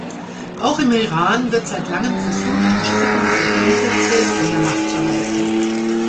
Auch im Iran wird seit langem versucht, umstrittene Verbündete an der Macht zu halten.